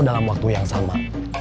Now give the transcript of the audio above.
dalam waktu yang sama